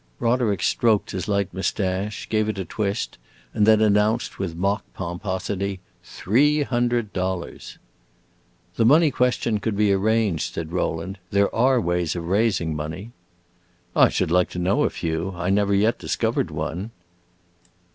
Roderick stroked his light moustache, gave it a twist, and then announced with mock pomposity: "Three hundred dollars!" "The money question could be arranged," said Rowland. "There are ways of raising money." "I should like to know a few! I never yet discovered one."